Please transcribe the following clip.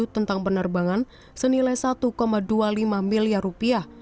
tentang penerbangan senilai satu dua puluh lima miliar rupiah